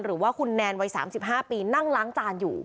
หรือว่าคุณแนนวัย๓๕ปีนั่งล้างจานอยู่